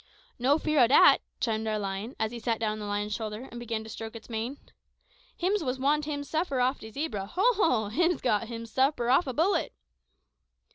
"No fear o' dat," chimed in our guide, as he sat down on the lion's shoulder, and began to stroke its mane; "hims was want him's supper off de zebra, ho! ho! Hims got him's supper off a bullet!"